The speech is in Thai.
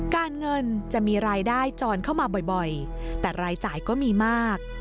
การเงินจะมีรายได้จรเข้ามาบ่อยแต่รายจ่ายก็มีมาก